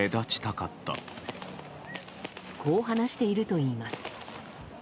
こう話しているといいます。